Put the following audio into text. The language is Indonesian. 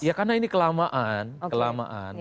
ya karena ini kelamaan kelamaan